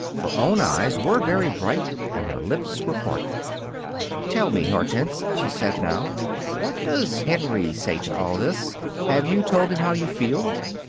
Her own eyes were very bright, and her lips were parted. "Tell me, Hortense," she said now; "what does Henry say to all this? Have you told him how you feel?"